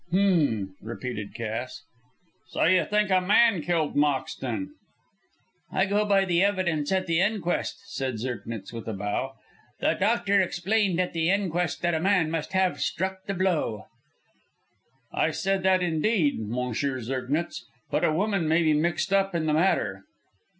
_" "H'm!" repeated Cass. "So you think a man killed Moxton?" "I go by the evidence at the inquest," said Zirknitz, with a bow. "The doctor explained at the inquest that a man must have struck the blow." "I said that indeed, M. Zirknitz. But a woman may be mixed up in the matter."